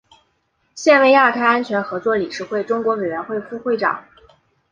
现为亚太安全合作理事会中国委员会副会长。